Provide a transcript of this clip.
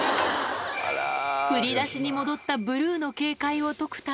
振り出しに戻ったブルーの警戒を解くため。